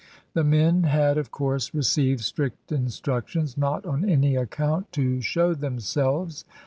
The men had, of course, received strict instructions not on any account to show themselves.